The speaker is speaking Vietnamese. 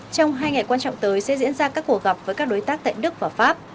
trong hai ngày quan trọng tới sẽ diễn ra các cuộc gặp với các đối tác tại đức và pháp